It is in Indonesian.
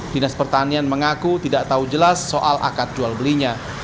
dinas pertanian mengaku tidak tahu jelas soal akad jual belinya